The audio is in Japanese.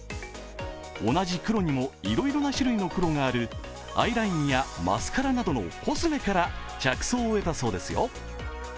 同じ黒にもいろいろな種類の黒があるアイラインやマスカラなどのコスメから着想を得たそうですよ。